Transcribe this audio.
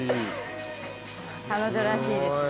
彼女らしいですね。